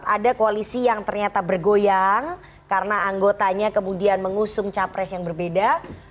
ada koalisi yang ternyata bergoyang karena anggotanya kemudian mengusung capres yang berbeda